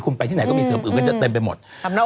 คุณไปที่ไหนก็มีเสริมอื่นก็จะเต็มไปหมด